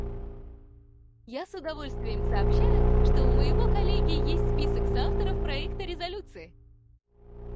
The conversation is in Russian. Я с удовольствием сообщаю, что у моего коллеги есть список соавторов проекта резолюции.